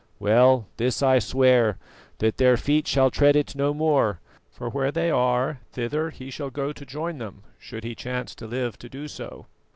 Well, this I swear, that their feet shall tread it no more, for where they are thither he shall go to join them, should he chance to live to do so.